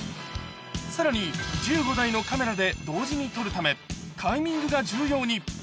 さらに１５台のカメラで同時に撮るため、タイミングが重要に。